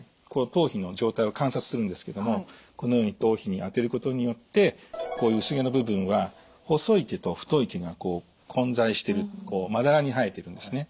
頭皮の状態を観察するんですけどもこのように頭皮に当てることによってこういう薄毛の部分は細い毛と太い毛が混在しているまだらに生えているんですね。